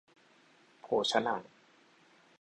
โภชะนัง